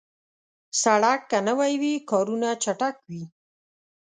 سړک که نوي وي، کارونه چټک وي.